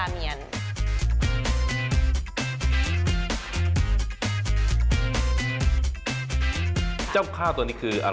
เอาล่ะเดินทางมาถึงในช่วงไฮไลท์ของตลอดกินในวันนี้แล้วนะครับ